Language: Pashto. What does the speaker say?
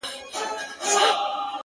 o ددغه خلگو په كار ـ كار مه لره ـ